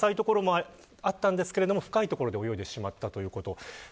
さらに、こちらには浅いところもあったんですが、深いところで泳いでしまった、ということ。